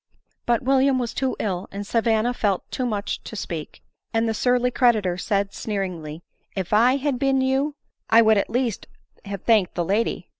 But William was too ill, and Savanna felt too much to speak ; and the surly creditor said, sneeringly, " If I had been you, I would at least have thanked the lady."